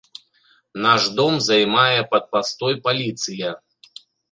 Наш дом займае пад пастой паліцыя.